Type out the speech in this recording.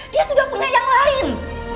dia sudah punya yang lain